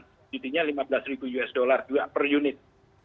subsidinya lima belas usd juga per unit